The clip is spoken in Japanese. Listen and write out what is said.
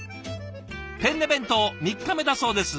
「ペンネ弁当３日目」だそうです。